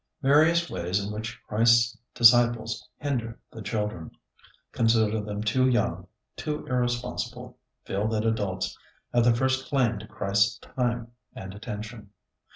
Various ways in which Christ's disciples hinder the children, consider them too young, too irresponsible, feel that adults have the first claim to Christ's time and attention.